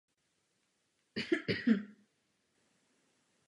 Vysokou mansardovou střechu kryje plech.